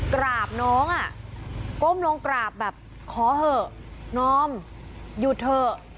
กราบน้องอ่ะก้มลงกราบแบบขอเถอะนอมหยุดเถอะ